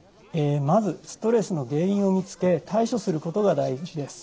まずストレスの原因を見つけ対処することが第一です。